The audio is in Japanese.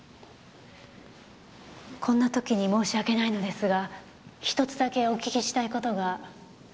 こんな時に申し訳ないのですが１つだけお聞きしたい事が。